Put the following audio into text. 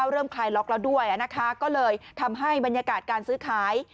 คลายล็อกแล้วด้วยนะคะก็เลยทำให้บรรยากาศการซื้อขาย